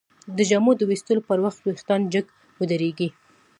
د جامو د ویستلو پر وخت وېښتان جګ ودریږي.